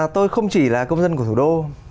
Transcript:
tôi không chỉ là công dân của thủ đô